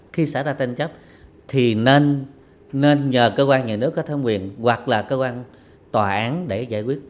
khi xả ra tên chấp thì nên nhờ cơ quan nhà nước có thông quyền hoặc là cơ quan tòa án để giải quyết